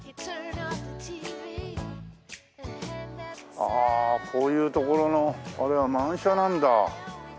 ああこういう所のあれは満車なんだ。